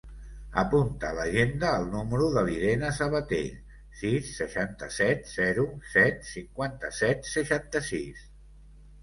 Apunta a l'agenda el número de l'Irene Sabater: sis, seixanta-set, zero, set, cinquanta-set, seixanta-sis.